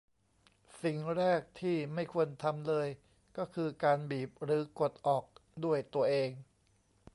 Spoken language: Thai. สิ่งแรกที่ไม่ควรทำเลยก็คือการบีบ หรือกดออกด้วยตัวเอง